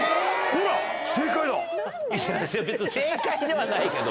別に正解ではないけども。